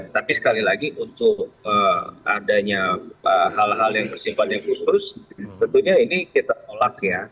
tapi sekali lagi untuk adanya hal hal yang bersifatnya khusus tentunya ini kita tolak ya